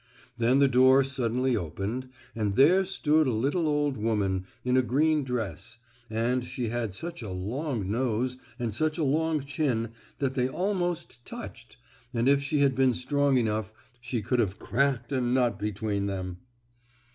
Then the door suddenly opened, and there stood a little old woman, in a green dress, and she had such a long nose and such a long chin that they almost touched, and if she had been strong enough she could have cracked a nut between them.